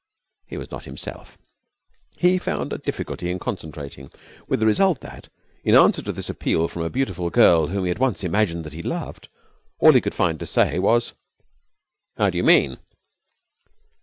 He was not himself. He found a difficulty in concentrating. With the result that, in answer to this appeal from a beautiful girl whom he had once imagined that he loved, all he could find to say was: 'How do you mean?'